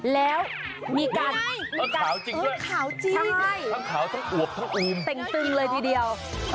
แล้วมีการขาวจริงด้วยขาวจริงใช่ทั้งขาวทั้งอวบทั้งอูมเต็งตึงเลยทีเดียว